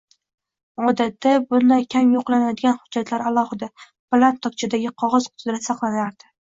Odatda bunday kam yo`qlanadigan hujjatlar alohida, baland tokchadagi qog`oz qutida saqlanardi